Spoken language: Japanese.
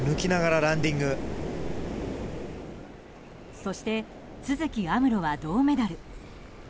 そして都筑有夢路は銅メダル。